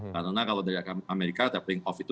karena kalau dari amerika tapering off itu